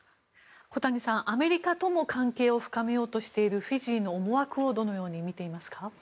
小谷さん、アメリカとも関係を深めようとしているフィジーの思惑をどのように見ていますか。